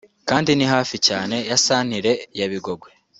kandi ni hafi cyane ya santire ya Bigogwe